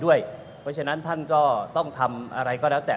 เพราะฉะนั้นท่านก็ต้องทำอะไรก็แล้วแต่